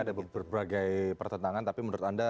ada berbagai pertentangan tapi menurut anda